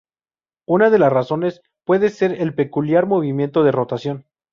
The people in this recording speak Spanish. Una de las razones puede ser el peculiar movimiento de rotación.